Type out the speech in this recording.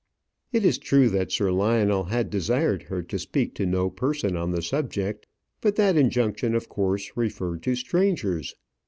It is true that Sir Lionel had desired her to speak to no person on the subject; but that injunction of course referred to strangers.